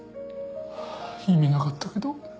意味なかったけど。